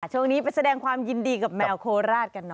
ช่วงนี้ไปแสดงความยินดีกับแมวโคราชกันหน่อย